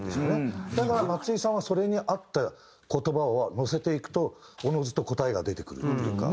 だから松井さんはそれに合った言葉を乗せていくとおのずと答えが出てくるっていうか。